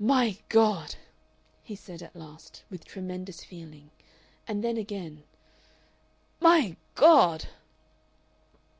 "My God!" he said at last, with tremendous feeling, and then again, "My God!"